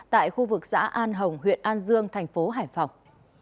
tại khu vực xã an hồng huyện an dương thành phố hải phòng